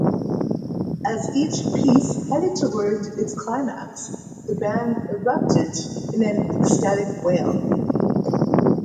As each piece headed toward its climax, the band erupted in an ecstatic wail.